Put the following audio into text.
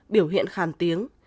năm biểu hiện khàn tiếng